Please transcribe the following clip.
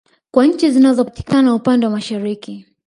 Kwa nchi zinazo patikana upande wa Mashariki